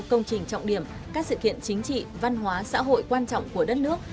trọng điểm các sự kiện chính trị văn hóa xã hội quan trọng của đất nước